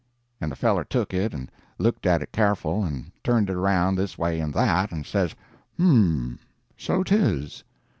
"And the feller took it, and looked at it careful, and turned it round this way and that, and says, 'H'm so 'tis.